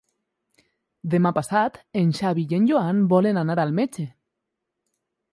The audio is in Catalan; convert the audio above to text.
Demà passat en Xavi i en Joan volen anar al metge.